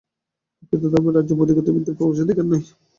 প্রকৃত ধর্মের রাজ্যে পুঁথিগত বিদ্যার প্রবেশাধিকার নাই।